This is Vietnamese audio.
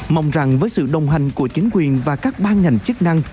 mong rằng với sự đồng hành của chính quyền và các ban ngành chức năng